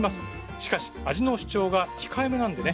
しかし味の主張が控えめなんでね